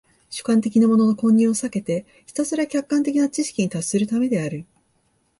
主観的なものの混入を避けてひたすら客観的な知識に達するためである。